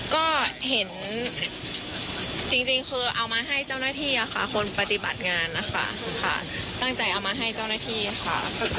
ก็เห็นจริงคือเอามาให้เจ้าหน้าที่คนปฏิบัติงานนะคะค่ะตั้งใจเอามาให้เจ้าหน้าที่ค่ะ